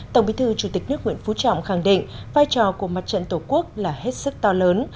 tổng bí thư chủ tịch nước nguyễn phú trọng khẳng định vai trò của mặt trận tổ quốc là hết sức to lớn